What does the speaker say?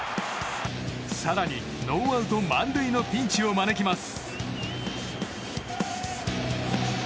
更にノーアウト満塁のピンチを招きます。